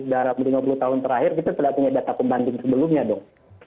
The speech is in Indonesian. dalam lima puluh tahun terakhir kita sudah punya data pembanding sebelumnya dong